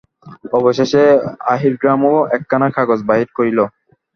অবশেষে আহিরগ্রামও একখানা কাগজ বাহির করিল।